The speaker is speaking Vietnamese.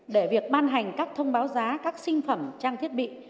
để việc ban hành các thông báo giá các sinh phẩm trang thiết bị